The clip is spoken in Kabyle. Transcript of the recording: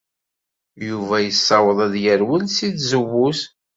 Yuba yessaweḍ ad yerwel seg tzewwut.